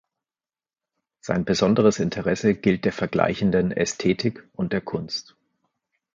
Sein besonderes Interesse gilt der vergleichenden Ästhetik und der Kunst.